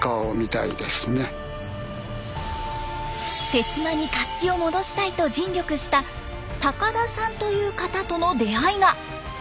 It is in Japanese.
手島に活気を戻したいと尽力した高田さんという方との出会いが。